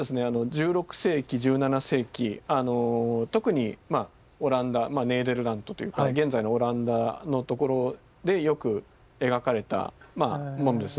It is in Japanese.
１６世紀１７世紀特にオランダネーデルラントという現在のオランダのところでよく描かれたものですね。